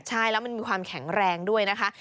ใช่แล้วมันมีความแข็งแรงด้วยนะคะ